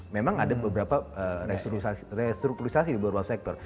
memang ada beberapa restrukturisasi di beberapa sektor